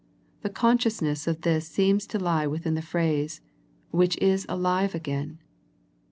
The consciousness of this seems to lie within the phrase " which is alive again."